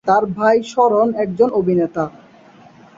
তার ভাই শরণ একজন অভিনেতা।